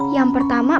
yang pertama pagi